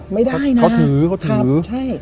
ไม่ได้นะเขาถือ